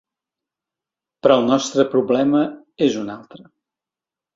Però el nostre problema és un altre.